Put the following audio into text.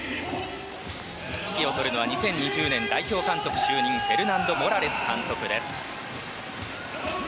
指揮を執るのは２０２２年代表監督就任フェルナンド・モラレス監督。